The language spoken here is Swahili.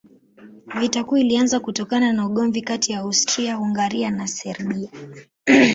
Vita Kuu ilianza kutokana na ugomvi kati ya Austria-Hungaria na Serbia.